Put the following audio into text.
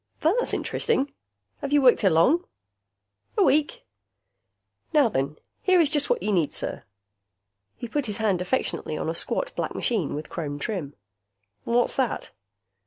"That's interesting. Have you worked here long?" "A week. Now then, here is just what you need, sir." He put his hand affectionately on a squat black machine with chrome trim. "What's that?"